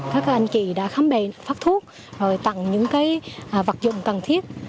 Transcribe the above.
các anh chị đã khám bề phát thuốc tặng những vật dụng cần thiết